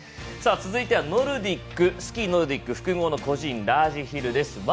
続いてはノルディックスキーノルディック複合の個人ラージヒルです。